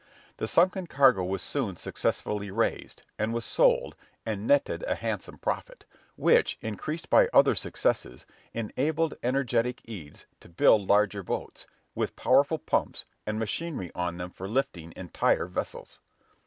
The sunken cargo was soon successfully raised, and was sold, and netted a handsome profit, which, increased by other successes, enabled energetic Eads to build larger boats, with powerful pumps, and machinery on them for lifting entire vessels.